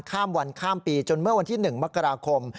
ข้ามวันข้ามปีจนเมื่อวันที่๑มกราคม